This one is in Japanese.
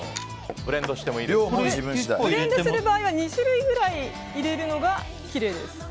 ブレンドする場合は２種類くらい入れるのがきれいですね。